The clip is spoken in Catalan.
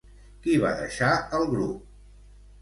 Qui va deixar el grup?